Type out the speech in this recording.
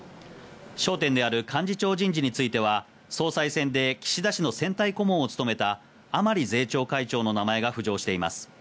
焦点である幹事長人事については、総裁選で岸田氏の選対顧問を務めた甘利税調会長の名前が浮上しています。